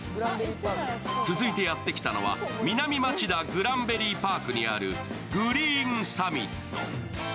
続いてやってきたのは南町田グランベリーパークにあるＧｒｅｅｎＳｕｍｍｉｔ。